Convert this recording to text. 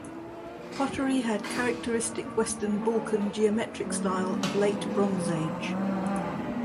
Pottery had characteristic Western Balkan geometric style of late Bronze Age.